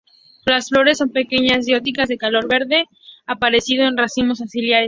Las flores son pequeñas, dioicas, de color verde, apareciendo en racimos axilares.